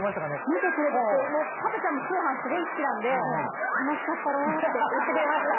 見てくれてて加トちゃんも通販すごい好きなんで。って言ってくれました。